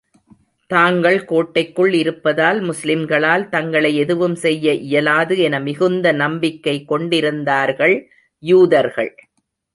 தாங்கள் கோட்டைக்குள் இருப்பதால், முஸ்லிம்களால் தங்களை எதுவும் செய்ய இயலாது என மிகுந்த நம்பிக்கை கொண்டிருந்தார்கள் யூதர்கள்.